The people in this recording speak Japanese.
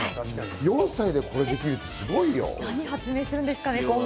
４歳でこれができるってすごいよ。